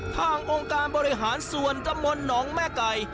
องค์การบริหารส่วนตำบลหนองแม่ไก่